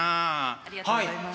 ありがとうございます。